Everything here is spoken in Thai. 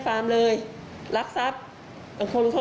สวัสดีคุณผู้ชายสวัสดีคุณผู้ชาย